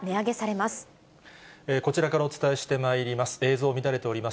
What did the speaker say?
こちらからお伝えしてまいります。